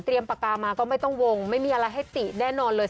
ปากกามาก็ไม่ต้องวงไม่มีอะไรให้ติแน่นอนเลย